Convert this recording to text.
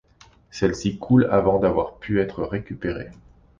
Celle-ci coule avant d'avoir pu être récupérée.